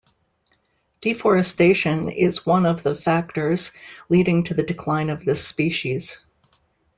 Deforestation is one of the factors leading to the decline of this species.